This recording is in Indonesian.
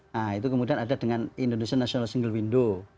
nah itu kemudian ada dengan indonesian national single window